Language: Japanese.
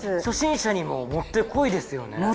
初心者にももってこいですよね。